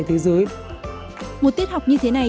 thế giới một tiết học như thế này